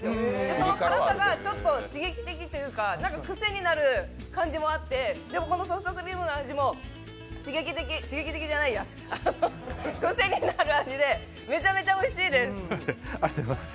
その辛さがちょっと刺激的というかクセになる感じもあって、でもこのソフトクリームの味も刺激的刺激的じゃないや、クセになる味でありがとうございます。